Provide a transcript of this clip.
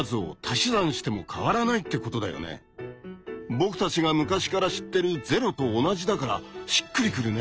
僕たちが昔から知ってる「０」と同じだからしっくりくるね。